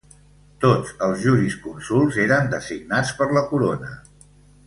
Tots els jurisconsults eren designats per la corona.